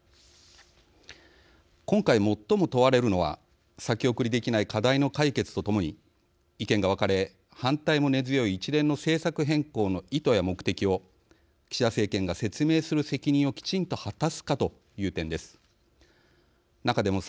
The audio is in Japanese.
今回、最も問われるのは先送りできない課題の解決とともに、意見が分かれ反対も根強い一連の政策変更の意図や目的を岸田政権が説明する責任をきちんと果たすかという点です。